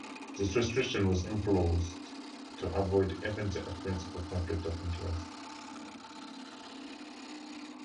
This restriction was imposed to avoid even the appearance of a conflict of interest.